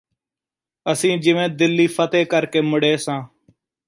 ਅਸੀਂ ਜਿਵੇਂ ਦਿੱਲੀ ਫ਼ਤਿਹ ਕਰਕੇ ਮੁੜੇ ਸਾਂ